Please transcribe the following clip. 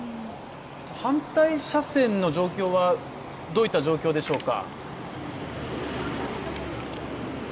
反対車線の状況はどういった状況でしょうか？